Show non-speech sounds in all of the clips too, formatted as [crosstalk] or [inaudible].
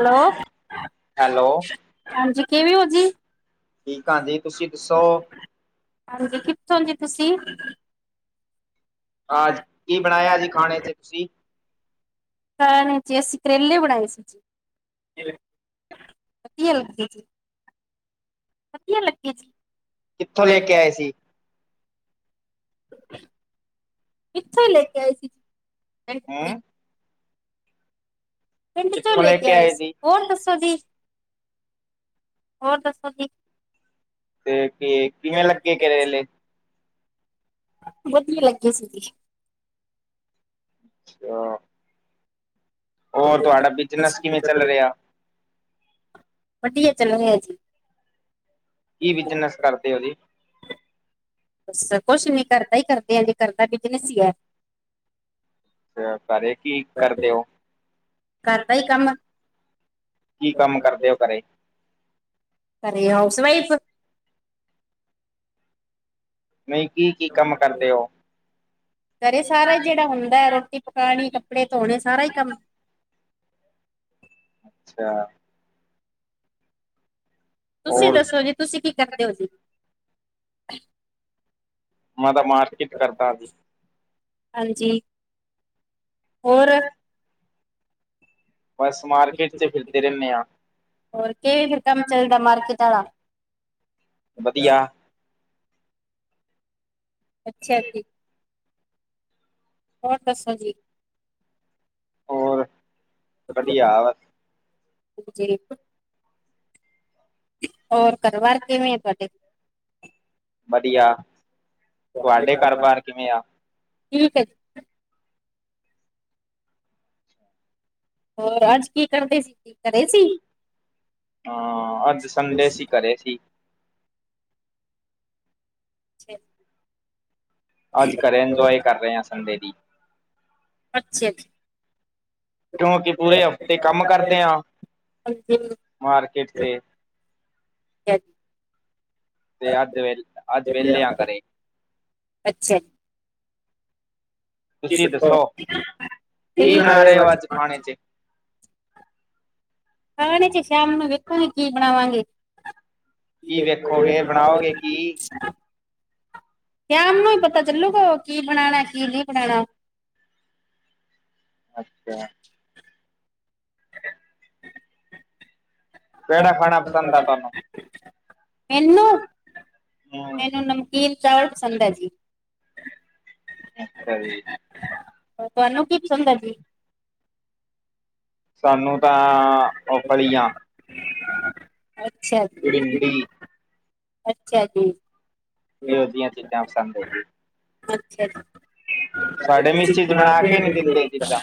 Hello hello. ਹਾਂਜੀ ਕਿਵੇਂ ਹੋ ਜੀ ਠੀਕ ਆ ਜੀ, ਤੁਸੀਂ ਦੱਸੋ? ਹਾਂਜੀ, ਕਿੱਥੋਂ ਜੀ ਤੁਸੀਂ? ਆਜ ਕੀ ਬਣਾਇਆ ਜੀ ਖਾਣੇ ਚ ਤੁਸੀਂ? ਖਾਣੇ ਚ ਅਸੀ ਕਰੇਲੇ ਬਣਾਏ ਸੀ ਜੀ। ਵਧੀਆ ਲੱਗੇ ਜੀ, ਵਧੀਆ ਲੱਗੇ ਜੀ। ਕਿੱਥੋਂ ਲੈ ਕੇ ਆਏ ਸੀ? ਇਥੋਂ ਈ ਲੈ ਕੇ ਆਏ ਸੀ। [unintelligible] ਹੂੰ, ਪਿੰਡ ਚੋਂ ਲੈ ਕੇ ਆਏ ਸੀ, ਹੋਰ ਦੱਸੋ ਜੀ, ਹੋਰ ਦੱਸੋ ਜੀ? ਤੇ, ਤੇ ਕਿਵੇਂ ਲੱਗੇ ਕਰੇਲੇ? ਵਧੀਆ ਲੱਗੇ ਸੀ ਜੀ। ਅ ਬਿਜਨਸ ਕਿਵੇਂ ਚੱਲ ਰਿਹਾ? ਵਧੀਆ ਚੱਲ ਰਯਾ ਜੀ। ਕੀ ਬਿਜਨਸ ਕਰਦੇ ਔ ਜੀ? ਅਸੀਂ ਤਾ ਕੁਛ ਨੀ ਘਰਦਾ ਈ ਕਰਦੇ ਆ ਜੀ, ਘਰਦਾ ਬਿਜਨਸ ਈ ਐ। ਘਰੇ ਕੀ ਕਰਦੇ ਔ, ਘਰ ਕਰਦਾ ਦਾ ਹੀ ਈ ਕੰਮ। ਕੀ ਕੰਮ ਕਰਦੇ ਔ ਘਰੇ? ਘਰੇ ਹਾਊਸ-ਵਾਈਫ। ਨਹੀਂ ਕੀ ਘਰੇ ਸਾਰਾ ਜਿਹੜਾ ਹੁੰਦਾ ਐ ਰੋਟੀ ਪਕਾਣੀ, ਕੱਪੜੇ ਧੋਣੇ ਸਾਰਾ ਈ ਕੰਮ ਅੱਛਾ। ਤੁਸੀਂ ਹੋਰ ਦੱਸੋ ਜੀ, ਤੁਸੀਂ ਕੀ ਕਰਦੇ ਹੋ ਜੀ? ਮੈ ਤਾ ਮਾਰਕੀਟ ਕਰਦਾ ਜੀ। ਹਾਂਜੀ! ਹੋਰ। ਬਸ ਮਾਰਕੀਟ 'ਚ ਫਿਰਦੇ ਰਹਿੰਦੇ ਹਾਂ। ਹੋਰ ਕਿ ਵੀ ਫੇਰ ਕੰਮ ਚੱਲਦਾ ਮਾਰਕੀਟ ਵਾਲਾ। ਵਧੀਆ। ਅੱਛਾ ਜੀ! ਹੋਰ ਦੱਸੋ ਜੀ? ਹੋਰ ਵਧੀਆ ਬਸ। ਠੀਕ ਹੈ। ਹੋਰ ਘਰ- ਬਾਰ ਕਿਵੇਂ ਆ ਤੁਹਾਡੇ। ਵਧੀਆ ਤੁਹਾਡੇ ਘਰ- ਬਾਰ ਕਿਵੇਂ ਆ। ਠੀਕ ਹੈ ਜੀ! ਹੋਰ ਅੱਜ ਕੀ ਕਰਦੇ ਸੀ ਘਰੇ ਸੀ? ਹਾਂ ਅੱਜ ਸੰਡੇ ਸੀ ਘਰੇ ਸੀ। ਠੀਕ। ਅੱਜ ਘਰੇ ਇੰਜੋਏ ਕਰ ਰਹੇ ਹਾਂ ਸੰਡੇ ਦੀ। ਅੱਛਾ ਜੀ! ਕਿਉਂਕਿ ਪੂਰੇ ਹਫ਼ਤੇ ਕੰਮ ਕਰਦੇ ਹਾਂ ਅੱਛਾ ਮਾਰਕੀਟ ਤੇ [inaudible] ਤੇ ਅੱਜ ਵੇ ਅੱਜ ਵਿਹਲੇ ਆ ਘਰੇ। ਅੱਛਾ ਜੀ! ਤੁਸੀਂ ਦੱਸੋ ਕਿ ਬਣਾ ਰਹੇ ਹੋ ਅੱਜ ਖਾਣ ਵਿੱਚ। ਖਾਣੇ 'ਚ ਸ਼ਾਮ ਨੂੰ ਵੇਖੂਗੀ ਕੀ ਬਣਾਵਾਂਗੇ। ਕੀ ਦੇਖੇਂਗੇ ਵੇਖੋਗੇ ਬਣਾਉਗੇ। ਬਣਾਓਗੇ ਕੀ ਸ਼ਾਮ ਨੂੰ ਹੀ ਪਤਾ ਚੱਲੂਗਾ ਉਹ ਕੀ ਬਣਾਉਣਾ ਕੀ ਨਹੀਂ ਬਣਾਉਣਾ। ਅੱਛਾ! ਕਿਹੜਾ ਖਾਣਾ ਪਸੰਦ ਆ ਤੁਹਾਨੂੰ ਮੈਨੂੰ। ਹਮ ਮੈਨੂੰ ਨਮਕੀਨ ਚਾਵਲ ਪਸੰਦ ਹੈ ਜੀ। ਅੱਛਾ ਜੀ! ਹੋਰ ਤੁਹਾਨੂੰ ਕੀ ਪਸੰਦ ਹੈ ਜੀ? ਸਾਨੂੰ ਤਾਂ ਉਹ ਫ਼ਲੀਆਂ। ਅੱਛਾ ਜੀ! ਭਿੰਡੀ ਅੱਛਾ ਜੀ! ਇਹੀਓ ਜੀ ਆ ਚੀਜ਼ਾਂ ਪਸੰਦ ਹੈ ਜੀ। ਅੱਛਾ ਸਾਡੇ ਜੀ! ਮਿਸਿਜ ਬਣਾ ਕੇ ਨੀ ਦਿੰਦੇ ਚੀਜ਼ਾਂ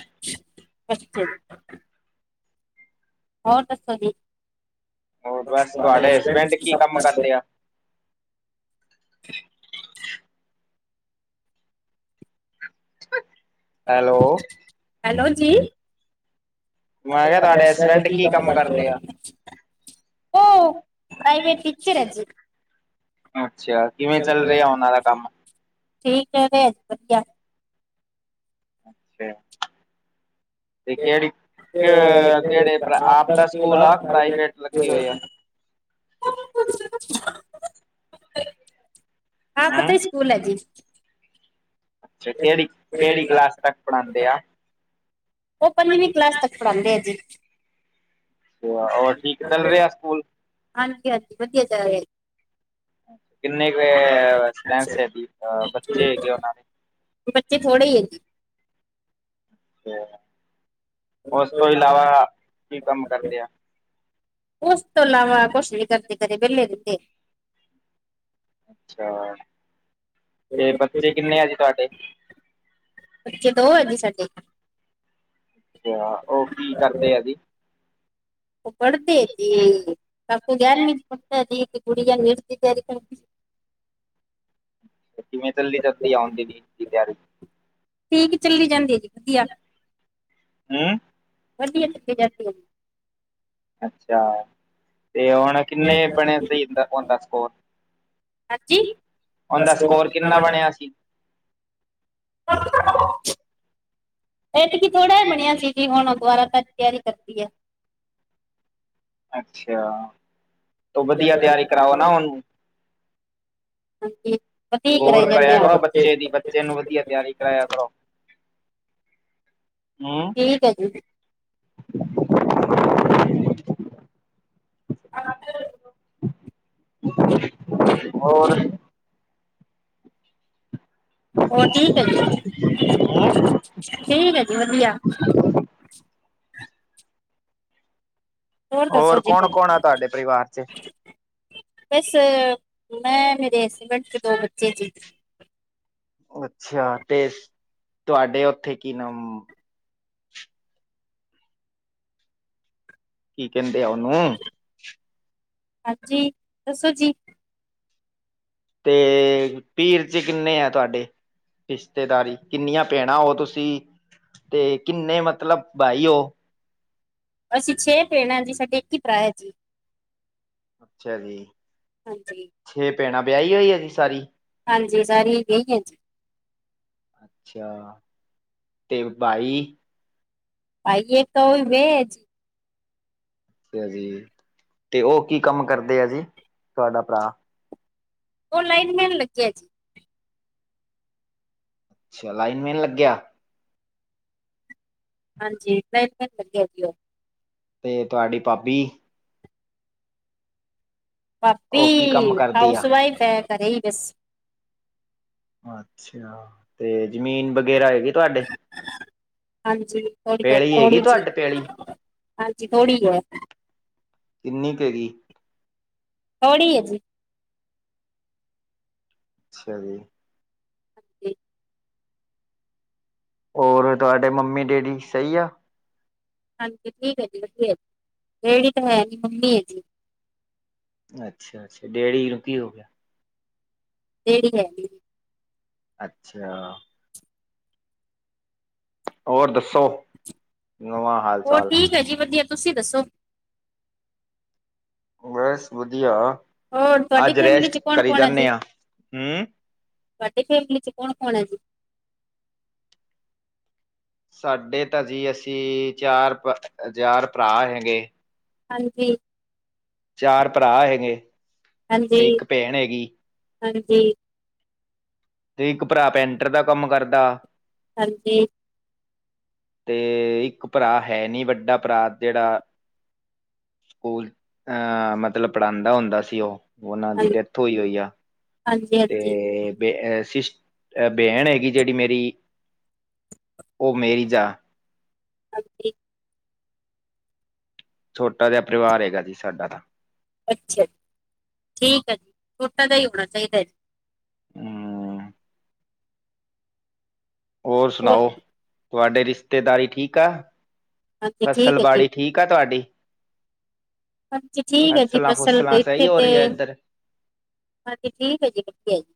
ਅੱਛਾ ਜੀ! ਹੋਰ ਦੱਸੋ ਜੀ? ਹੋਰ ਬਸ ਤੁਹਾਡੇ ਹਸਬੈਂਡ ਕੀ ਕੰਮ ਕਰਦੇ ਆ ਹੈਲੋ! ਹੈਲੋ ਜੀ! ਮੈਂ ਕਿਹਾ ਤੁਹਾਡੇ ਹਸਬੈਂਡ ਕੀ ਕੰਮ ਕਰਦੇ ਆ? ਉਹ ਪ੍ਰਾਈਵੇਟ ਟੀਚਰ ਹੈ ਜੀ। ਅੱਛਾ! ਕਿਵੇਂ ਚੱਲ ਰਿਹਾ ਆ ਉਹਨਾਂ ਦਾ ਕੰਮ। ਠੀਕ ਹੈ ਜੀ ਵਧੀਆ। ਅੱਛਾ ਤੇ ਕਿਹੜੀ। ਕਿਹੜੇ ਆਪ ਦਾ ਸਕੂਲ ਆ ਪ੍ਰਾਈਵੇਟ ਲੱਗੀ ਹੋਏ ਆ। ਆਪਦਾ ਸਕੂਲ ਹੈ ਜੀ। ਅੱਛਾ! ਕਿਹੜੀ- ਕਿਹੜੀ ਕਲਾਸ ਤੱਕ ਪੜ੍ਹਾਉਂਦੇ ਆ? ਉਹ ਪੰਜਵੀਂ ਕਲਾਸ ਤੱਕ ਪੜ੍ਹਾਉਂਦੇ ਐ ਜੀ। ਅੱਛਾ! ਹੋਰ ਠੀਕ ਚੱਲ ਰਿਹਾ ਸਕੂਲ। ਹਾਂਜੀ! ਹਾਂਜੀ! ਵਧੀਆ ਚਲ ਰਿਹਾ ਹੈ। ਕਿੰਨੇ ਕੁ ਸੈਂਸ ਹੈਗੀ, ਬੱਚੇ ਹੈਗੇ ਉਹਨਾਂ ਦੇ। ਬੱਚੇ ਥੋੜੇ ਹੀ ਹੈ ਜੀ। ਤੇ ਉਸ ਤੋਂ ਇਲਾਵਾ ਕੀ ਕੰਮ ਕਰਦੇ ਆ? ਉਸ ਤੋਂ ਇਲਾਵਾ ਕੁਛ ਵੀ ਕਰਦੇ, ਕਦੇ ਵਿਹਲੇ ਦਿੱਖੇ ਅੱਛਾ ਤੇ ਬੱਚੇ ਕਿੰਨੇ ਆ ਜੀ ਤੁਹਾਡੇ ਬਚੇ ਦੋ ਹੈਗੇ ਸਾਡੇ ਅੱਛਾ ਉਹ ਕੀ ਕਰਦੇ ਆ ਜੀ ਪੜਦੇ ਐ ਜੀ, ਕਾਕੂ ਗਿਆਰਵੀਂ ਚ ਪੜਦਾ ਐ ਜੀ, ਤੇ ਜ ਗੁੜੀਆਂ ਨੀਟ ਦੀ ਤਿਆਰੀ ਕਰਦੀ ਆ ਕਿਵੇਂ ਚੱਲਦੀ ਚਲਦੀ ਆਉਂਦੀ ਨੀਟ ਦੀ ਤਿਆਰੀ ਠੀਕ ਚੱਲੀ ਜਾਂਦੀ ਏ ਜੀ ਵਧੀਆ ਹੈਂ ਵਧੀਆ ਚੱਲੀ ਜਾਂਦੀ ਏ ਅੱਛਾ ਤੇ ਹੁਣ ਕਿੰਨੇ ਬਣੇ ਸੀ ਔਂਦੇ ਸਕੋਰ ਹਾਂਜੀ ਔਂਦਾ ਸਕੋਰ ਕਿੰਨਾ ਬਣਿਆ ਸੀ ਇਹ ਤੇ ਕੀ ਥੋੜ ਬਣਿਆ ਸੀ ਜੀ, ਹੁਣ ਦੁਬਾਰਾ ਤ ਤਿਆਰੀ ਕਰਤੀ ਹੈ ਅੱਛਾ ਤ ਵਧੀਆ ਤਿਆਰੀ ਕਰਾਓ ਨਾ ਉਹਨੂੰ ਹਾਂਜੀ ਵਧੀਆ ਈ ਕਰਾਈ ਗੌਰ ਜਾਨੇ ਕਰਿਆ ਆਂ ਕਰੋ ਬੱਚੇ ਦੀ ਬੱਚੇ ਨੂੰ ਵਧੀਆ ਤਿਆਰੀ ਕਰਾਇਆ ਹਮ ਠੀਕ ਹੈ ਜੀ [unintelligible] ਹੋਰ ਹੋਰ ਠੀਕ ਹੈ ਜੀ ਠੀਕ ਹੈ ਜੀ ਵਧੀਆ ਹੋਰ ਦੱਸੋ ਜੀ ਕੌਣ ਹੁਣ ਕੌਣ ਆ ਤੁਹਾਡੇ ਪਰਿਵਾਰ ਚ ਬਸ ਮੈਂ ਮੇਰੇ ਐਸਡੈਂਟ ਤੇ ਦੋ ਬੱਚੇ ਜੀ ਅੱਛਾ ਟੇਸਟ, ਤੁਹਾਡੇ ਉੱਥੇ ਕੀ ਨ ਕੀ ਕਹਿੰਦੇ ਆ ਉਹਨੂੰ ਹਾਂਜੀ ਦੱਸੋ ਜੀ ਤੇ ਪੀਹਰ ਚ ਕਿੰਨੇ ਐ ਤੁਹਾਡੇ ਰਿਸ਼ਤੇਦਾਰੀ, ਕਿੰਨੀਆਂ ਭੈਣਾਂ ਹੋ ਤੁਸੀਂ? ਤੇ ਕਿੰਨੇ ਮਤਲਬ ਭਾਈ ਹੋ ਅਸੀਂ ਛੇ ਭੈਣਾਂ ਜੀ, ਸਾਡੇ ਇੱਕ ਹੀ ਭਰਾ ਹੈ ਜੀ ਅੱਛਾ ਜੀ ਹਾਂਜੀ ਛੇ ਭੈਣਾਂ ਵਿਆਹੀ ਹੋਈ ਹੈ ਨੇ ਸਾਰੀ ਹਾਂਜੀ ਸਾਰੀਆਂ ਈ ਵਿਆਇਆਂ ਜੀ ਅੱਛਾ ਤੇ ਭਾਈ ਭਾਈ ਇਕ ਏ, ਔ ਵੀ ਵੇਯਾਆ ਏ ਜੀ ਵਧੀਆ ਜੀ, ਤੇ ਉਹ ਕੀ ਕੰਮ ਕਰਦੇ ਆ ਜੀ, ਤੁਹਾਡਾ ਭਰਾ ਉਹ ਲਾਈਨ ਮੈਨ ਲਗੇਆ ਜੀ ਅੱਛਾ ਲਾਈਨ ਮੈਨ ਲੱਗਿਆ ਹਾਂਜੀ ਲਾਈਨ ਮੈਨ ਲਗਿਆ ਔ ਤੇ ਤੁਹਾਡੀ ਭਾਬੀ ਪਾਪੀ, ਉਹ ਕੀ ਕੰਮ ਕਰਦੀ ਹਾਊਸ ਆ ਵਾਈਫ ਹੈ ਘਰੇ ਹੀ ਬਸ। ਅੱਛਾ, ਤੇ ਜ਼ਮੀਨ ਵਗੈਰਾ ਹੈਗੀ ਤੁਹਾਡੇ? ਹਾਂਜੀ, ਥੀ ਪੈਲੀ ਹੈਗੀ ਥੋੜ੍ਹੀ ਜਿਹੀ ਤੁਹਾਡੇ ਪੈਲੀ ਹਾਂਜੀ ਥੋੜ੍ਹੀ ਜਿਹੀ ਹੈ। ਕਿੰਨੀ ਕ ਹੈਗੀ। ਥੋੜੀ ਹੈ ਜੀ। ਅੱਛਾ ਜੀ। ਹਾਂਜੀ। ਹੋਰ ਤੁਹਾਡੇ ਮੰਮੀ ਡੈਡੀ ਸਹੀ ਆ? ਹਾਂਜੀ ਠੀਕ ਹੈ ਜੀ, ਵਧੀਆ ਹੈ ਡੈਡੀ ਤਾਂ ਹੈ ਨਹੀਂ ਮੰਮੀ ਹੈ ਜੀ। ਅੱਛਾ, ਅੱਛਾ ਡੇਡੀ ਨੂੰ ਕਿ ਹੋ ਗਿਆ। ਡੇਡੀ ਹੈ ਨਹੀਂ। ਅੱਛਾ। ਹੋਰ ਦੱਸੋ? ਨਵਾਂ ਹਾਲ ਹੋ ਚਾਲ ਠੀਕ ਹੈ ਜੀ ਵਧੀਆ, ਤੁਸੀਂ ਦੱਸੋ? ਬਸ ਵਧੀਆ, ਹੋਰ ਤੁਹਾਡੀ ਅੱਜ ਫੈਮਿਲੀ ਚ ਰੈਸਟ ਕੌਣ ਕਰੀ ਕੌਣ ਹੈ ਜੀ ਜਾਂਦੇ ਹਾ ਹਮ। ਤੁਹਾਡੀ ਫੈਮਲੀ ਚ ਕੋਣ, ਕੋਣ ਐ ਜੀ? ਸਾਡੇ ਤਾਂ ਜੀ ਅਸੀਂ ਚਾਰ, ਚਾਰ ਭਰਾ ਹੈਗੇ ਹਾਂਜੀ। ਚਾਰ ਭਰਾ ਹੈਗੇ। ਤੇ ਹਾਂਜੀ, ਇੱਕ ਭੈਣ ਹੈਗੀ ਹਾਂਜੀ। ਤੇ ਇੱਕ ਭਰਾ ਪੈਂਟਰ ਦਾ ਕੰਮ ਕਰਦਾ। ਹਾਂਜੀ। ਤੇ ਇੱਕ ਭਰਾ ਹੈ ਨੀ, ਵੱਡਾ ਭਰਾ ਜਿਹੜਾ ਸਕੂਲ ਅਹ ਮਤਲਬ ਪੜਾਦਾ ਹੁੰਦਾ ਸੀ ਔਹ, ਉਹਨਾਂ ਦੀ ਹਾਂਜੀ ਡੈਥ ਹੋਈ, ਹੋਈ ਆ। ਹਾਂਜੀ ਹਾਂਜੀ ਤੇ ਬੇਹ ਅ ਸਿਸ ਬੈਣ ਹੈਗੀ ਜਿਹੜੀ ਮੇਰੀ ਔਹ ਮੈਰਿਜ ਆ। ਹਾਂਜੀ। ਛੋਟਾ ਜਿਹਾ ਪਰਿਵਾਰ ਹੈਗਾ ਸੀ ਸਾਡਾ। ਅੱਛਾ ਜੀ, ਠੀਕ ਹੈ ਜੀ ਛੋਟਾ ਜਹਾ ਹੀ ਹੋਣਾ ਚਾਹੀਦਾ ਜੀ। ਹਮ ਹੋਰ ਸੁਣਾਓ? ਤੁਹਾਡੇ ਰਿਸ਼ਤੇਦਾਰੀ ਠੀਕ ਆ, ਹਾਂਜੀ ਹੈ ਜੀ ਫਸਲਬੜੀ ਠੀਕ ਠੀਕ ਆ ਤੁਹਾਡੀ। ਹਾਂਜੀ ਠੀਕ ਹੈ ਜੀ, ਫਸਲਾਂ ਫਸਲ ਫੁਸਲਾਂ ਸਹੀ ਇੱਥੇ ਹੋ ਤੇ ਰਹੀ ਹੈ ਇੱਧਰ? ਹਾਂਜੀ ਠੀਕ ਹੈ ਜੀ, ਵਧੀਆ ਜੀ।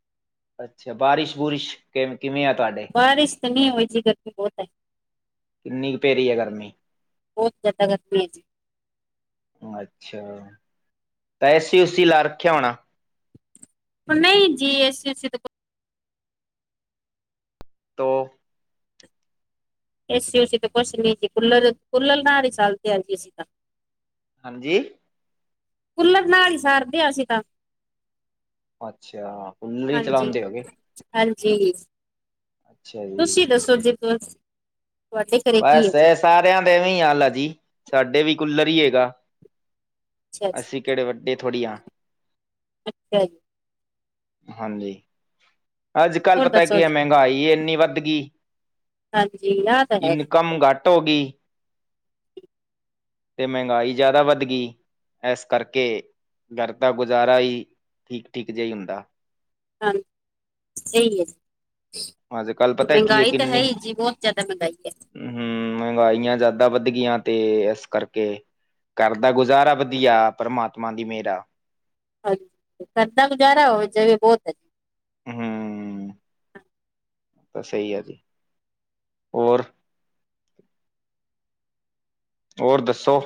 ਅੱਛਾ, ਬਾਰਿਸ਼-ਬੁਰਿਸ਼ ਕਿਵੇਂ ਆ ਤੁਹਾਡੇ। ਬਾਰਿਸ਼ ਨਹੀਂ ਹੈ ਜੀ, ਗਰਮੀ ਬਹੁਤ ਹੈ। ਕਿੰਨੀ ਕੁ ਪੇਰੀ ਹੈ ਗਰਮੀ? ਬਹੁਤ ਜਾਂਦਾ ਗਰਮੀ ਹੈ ਜੀ। ਅੱਛਾ, ਤਾਂ ਐਸੀ ਉਸੀ ਲਾ ਰੱਖਿਆ ਹੋਣਾ। ਨਹੀਂ ਜੀ ਐਸੀ ਉਸੀ ਤੇ ਕੋ ਤੋ ਏਸੀ ਓਸੀ ਤੇ ਕੁਛ ਨੀ ਸੀ ਕੂਲਰ, ਕੂਲਰ ਨਾ ਰ' ਚੱਲਦੇ ਆਜੀ ਏਸੀ ਤਾਂ ਹਾਂਜੀ। ਕੁੁੱਲਰ ਨਾਲ ਹੀ ਸਾਰਦੇ ਹਾਂ ਅਸੀਂ ਤਾਂ। ਅੱਛਾ ਕੂਲਰ ਹੀ ਹਾਂਜੀ, ਚਲਾਉਂਦੇ ਹੋਗੇ ਹਾਂਜੀ। ਅੱਛਾ ਜੀ ਤੁਸੀਂ ਦੱਸੋ ਜੀ ਕੋਛ? ਬਸ ਏ ਸਾਰਿਆਂ ਦੇ ਐਵੇਂ ਈ ਹਾਲ ਆ ਜੀ ਸਾਡੇ ਵੀ ਕੁਲਰ ਈ ਹੈਗਾ। ਅੱਛਾ ਜੀ, ਅਸੀਂ ਕੇੜੇ ਵੱਡੇ ਥੋੜ੍ਹੀ ਆ। [unintelligible] ਹਾਂਜੀ ਅੱਜ ਕੱਲ੍ਹ ਹੋਰ ਪਤਾ ਦੱਸੋ ਕੀ ਆ ਜੀ? ਮੈਂਗਾਈ ਏਨੀ ਵੱਧਗੀ। ਹਾਂਜੀ [unintelligible] ਇਨਕਮ ਗਟ ਹੋਗੀਬਤੇ ਮੈਂਗਾਈ ਜਾਦਾ ਵੱਧਗੀ। ਐਸ ਕਰਕੇ ਗਰ ਦਾ ਗੁਜ਼ਾਰਾ ਈ ਠੀਕ-ਠੀਕ ਜਾ ਈ ਹੁੰਦਾ। ਹਾਂ ਸਈ ਏ। ਅੱਜ ਕੱਲ ਪਤਾ ਕੀ ਮੈਂਗਾਈ ਤਾਂ ਹੈ ਈ ਜੀ ਬੋਤ ਜਾਦਾ ਮੈਂਗਾਈ ਐ। ਹੂੰ ਮੈਂਗਾਈਆਂ ਜਾਦਾ ਵੱਧ ਗਈਆਂ ਤੇ ਇਸ ਕਰਕੇ ਘਰ ਦਾ ਗੁਜ਼ਾਰਾ ਵਧੀਆ ਪਰਮਾਤਮਾ ਦੀ ਮੇਰ ਆ। ਹਾਂਜੀ ਕਰ ਦਾ ਗੁਜ਼ਾਰਾ ਹੋ ਜਵੇ ਬੋਤ ਐ। ਹੂੰ ਤਾਂ ਸਈ ਐ ਜੀ ਓ ਓਰ ਦੱਸੋ?